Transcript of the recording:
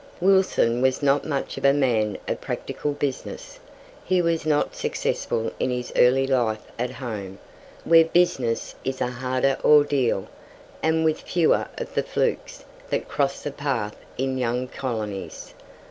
Wilson was not much of a man of practical business. He was not successful in his early life at home, where business is a harder ordeal, and with fewer of the "flukes" that cross the path in young colonies.